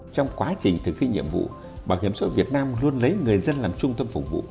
trong quá trình thực hiện nhiệm vụ bảo hiểm sổ việt nam luôn lấy người dân làm trung tâm phục vụ